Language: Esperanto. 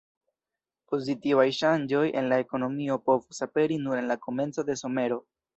Pozitivaj ŝanĝoj en la ekonomio povos aperi nur en la komenco de somero.